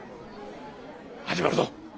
始まるど！